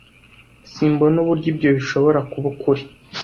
Simbona uburyo ibyo bishobora kuba ukuri.